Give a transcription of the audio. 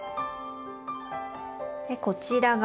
こちらが。